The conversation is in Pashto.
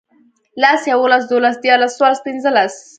لس، يوولس، دوولس، ديارلس، څوارلس، پينځلس